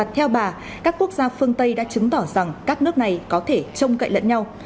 theo bà các quốc gia phương tây đã chứng tỏ rằng các nước này có thể trông cậy lẫn nhau